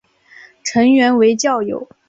成员为教友。